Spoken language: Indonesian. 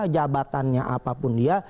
jabatannya apapun dia